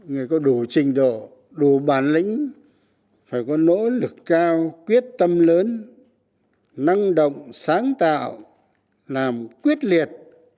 người có đủ trình độ đủ bản lĩnh phải có nỗ lực cao quyết tâm lớn năng động sáng tạo làm quyết liệt